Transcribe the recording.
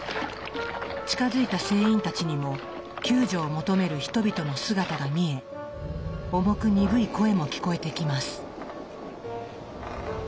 近づいた船員たちにも救助を求める人々の姿が見え重く鈍い声も聞こえてきます。